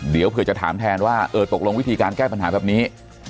เดี๋ยวเผื่อจะถามแทนว่าเออตกลงวิธีการแก้ปัญหาแบบนี้